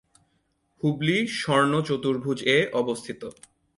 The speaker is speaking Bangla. হুবলি "স্বর্ণ চতুর্ভুজ"-এ অবস্থিত।